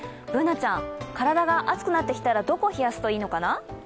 Ｂｏｏｎａちゃん、体が熱くなってきたらどこを冷やすといいのかな？